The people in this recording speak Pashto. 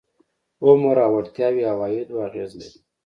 عمر او وړتیاوې عوایدو اغېز لري.